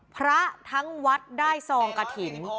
พระทั้งวัดได้ซองกระถิ่น